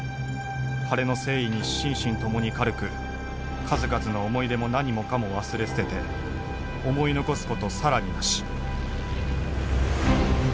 晴れの征衣に心身共に軽く数々の思い出も何もかも忘れ捨てて思い残すこと更になし」。